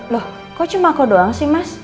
loh kok cuma kau doang sih mas